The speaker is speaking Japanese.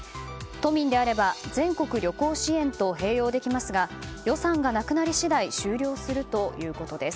都民であれば全国旅行支援と併用できますが予算がなくなり次第終了するということです。